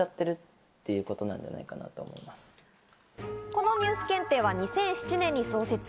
このニュース検定は２００７年に創設。